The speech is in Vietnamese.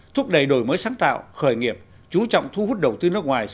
thúc đẩy đổi mới sáng tạo khởi nghiệp chú trọng thu hút đầu tư nước ngoài